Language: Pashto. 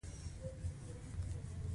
احمدشاه بابا د افغان غیرت نښه وه.